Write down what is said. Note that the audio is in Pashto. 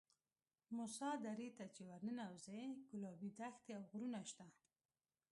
موسی درې ته چې ورننوځې ګلابي دښتې او غرونه شته.